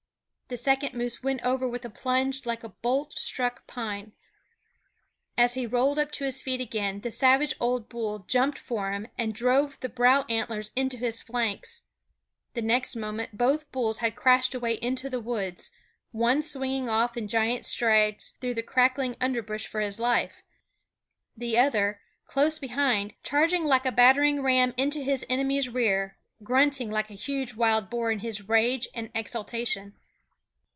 The second moose went over with a plunge like a bolt struck pine. As he rolled up to his feet again the savage old bull jumped for him and drove the brow antlers into his flanks. The next moment both bulls had crashed away into the woods, one swinging off in giant strides through the crackling underbrush for his life, the other close behind, charging like a battering ram into his enemy's rear, grunting like a huge wild boar in his rage and exultation.